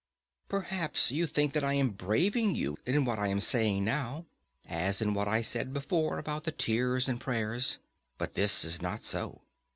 Perhaps you think that I am braving you in what I am saying now, as in what I said before about the tears and prayers. But this is not so.